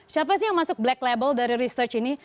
siapa sih yang masuk black label dari research ini